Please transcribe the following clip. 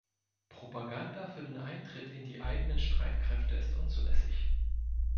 Propaganda für den Eintritt in die eigenen Streitkräfte ist unzulässig.